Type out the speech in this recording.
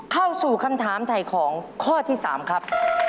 เข้าสู่คำถามถ่ายของข้อที่๓ครับ